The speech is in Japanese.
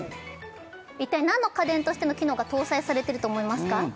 一体何の家電としての機能が搭載されてると思いますか？